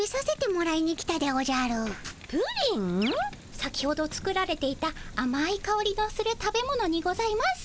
先ほど作られていたあまいかおりのする食べ物にございます。